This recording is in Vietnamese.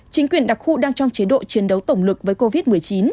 chính quyền đặc khu đang trong chế độ chiến đấu tổng lực với covid một mươi chín